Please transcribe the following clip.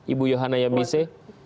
ibu yohana yamise